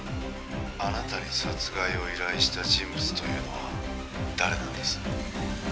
あなたに殺害を依頼した人物というのは誰なんです？